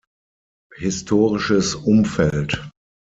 Historisches Umfeld